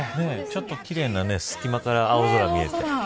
ちょっと奇麗な隙間から青空見えて。